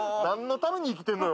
ために生きてんのよ